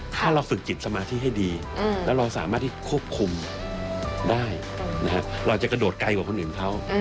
ถ้าเราฝึกจิตสมาธิให้ดีแล้วเราสามารถที่ควบคุมได้เราจะกระโดดไกลกว่าคนอื่นเขา